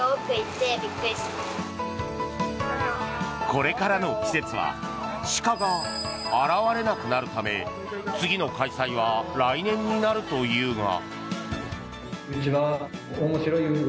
これからの季節は鹿が現れなくなるため次の開催は来年になるというが。